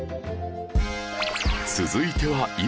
続いては